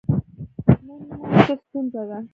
نن مو څه ستونزه ده؟